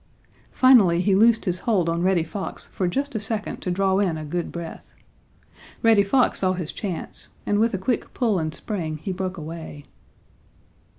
Finally he loosed his hold on Reddy Fox for just a second to draw in a good breath. Reddy Fox saw his chance, and, with a quick pull and spring, he broke away.